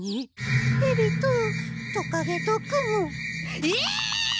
ヘビとトカゲとクモ。え！？